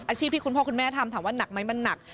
ที่คุณพ่อคุณแม่ทำถามว่าหนักไหมมันหนัก